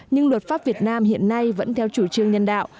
nhưng luật pháp việt nam hiện nay vẫn theo chủ trương nhân đạo